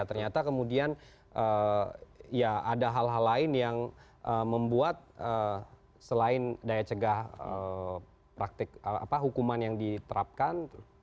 ternyata kemudian ya ada hal hal lain yang membuat selain daya cegah praktik hukuman yang diterapkan